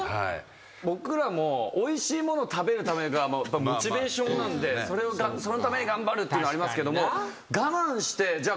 僕らもおいしいもの食べるためがモチベーションなんでそのために頑張るっていうのありますけども我慢してじゃあ